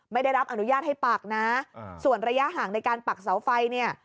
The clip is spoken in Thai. ไม่ได้รับอนุญาตให้ปักนะส่วนระยะห่างในการปักเสาไฟเนี่ย